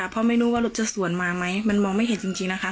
เพราะไม่รู้ว่ารถจะสวนมาไหมมันมองไม่เห็นจริงนะคะ